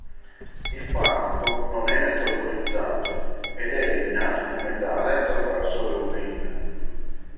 Il farmaco non è metabolizzato ed è eliminato come tale attraverso le urine.